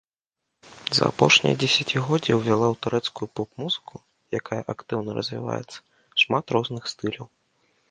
За апошняе дзесяцігоддзе ўвяла ў турэцкую поп-музыку, якая актыўна развіваецца, шмат розных стыляў.